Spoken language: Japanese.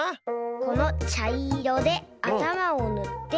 このちゃいろであたまをぬって。